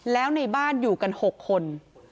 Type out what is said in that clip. แล้วในบ้านอยู่กัน๖คน